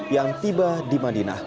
yang tiba di madinah